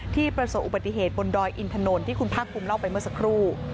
ประสบอุบัติเหตุบนดอยอินถนนที่คุณภาคภูมิเล่าไปเมื่อสักครู่